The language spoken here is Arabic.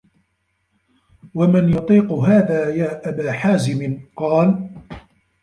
وَمَنْ يُطِيقُ هَذَا يَا أَبَا حَازِمٍ ؟ قَالَ